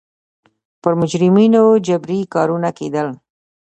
پر مجرمینو جبري کارونه کېدل.